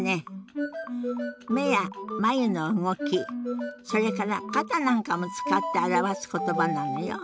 目や眉の動きそれから肩なんかも使って表す言葉なのよ。